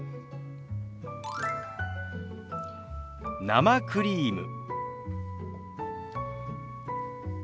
「生クリーム」。